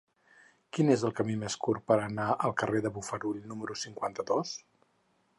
Quin és el camí més curt per anar al carrer dels Bofarull número cinquanta-dos?